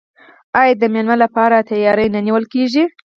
آیا د میلمه لپاره تیاری نه نیول کیږي؟